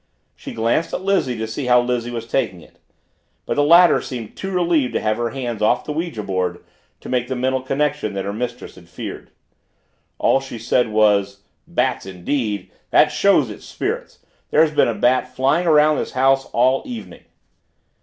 She glanced at Lizzie to see how Lizzie was taking it. But the latter seemed too relieved to have her hands off the ouija board to make the mental connection that her mistress had feared. All she said was, "Bats indeed! That shows it's spirits. There's been a bat flying around this house all evening."